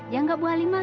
ya enggak bu halimah